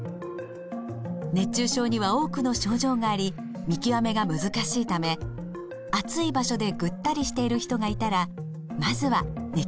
熱中症には多くの症状があり見極めが難しいため暑い場所でぐったりしている人がいたらまずは熱中症を疑いましょう。